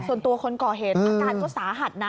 ส่วนตัวคนก่อเหตุอาการก็สาหัสนะ